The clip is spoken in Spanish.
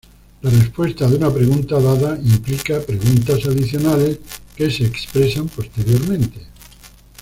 La respuesta de una pregunta dada implica preguntas adicionales, que se expresan posteriormente.